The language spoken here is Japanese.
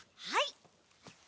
はい。